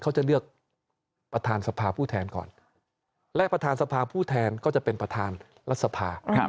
เขาจะเลือกประธานสภาผู้แทนก่อนและประธานสภาผู้แทนก็จะเป็นประธานรัฐสภา